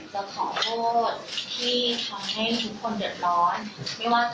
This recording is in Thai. ทอบตัวของที่ทำให้เหลือร้อนกัน